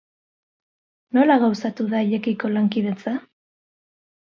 Nola gauzatu da haiekiko lankidetza?